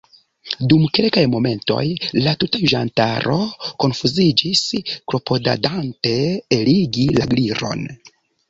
Dum kelkaj momentoj la tuta juĝantaro konfuziĝis, klopodadante eligi la Gliron.